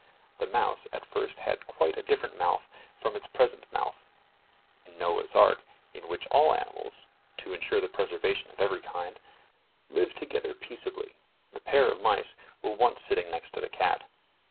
The mouse at first had quite a different mouth from its present mouth. In Noah's ark, in which all animals, to ensure the preservation of every kind, lived together peaceably, the pair of mice were once sitting next to the cat.